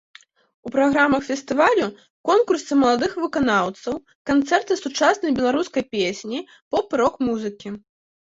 У праграмах фестывалю конкурсы маладых выканаўцаў, канцэрты сучаснай беларускай песні, поп- і рок-музыкі.